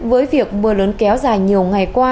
với việc mưa lớn kéo dài nhiều ngày qua